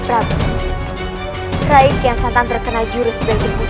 prabih raiki yang santan terkena jurus beragamus